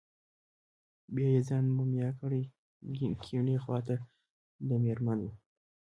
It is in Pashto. بیا یې ځان مومیا کړی، کیڼې خواته دده مېرمن وه.